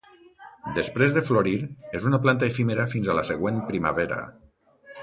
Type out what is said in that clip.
Després de florir és una planta efímera fins a la següent primavera.